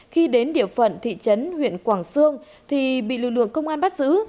khi đến địa phận thị trấn huyện quảng sương thì bị lực lượng công an bắt giữ